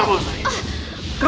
apakah ini mpn